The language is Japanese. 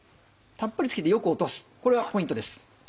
たっぷり付けてよく落とすこれがポイントです。